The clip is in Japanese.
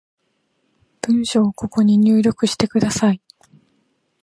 文章をここに入力してください